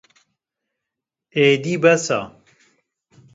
êdî bes e